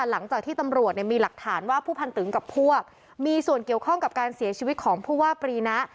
หลังจากที่ตำรวจมีหลักฐานว่าผู้พันตึงกับพวกมีส่วนเกี่ยวข้องกับการเสียชีวิตของผู้ว่าปรีนะ